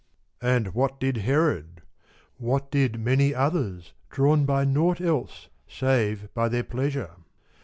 And what did Herod ? What did many others drawn by naught else save by their pleasure?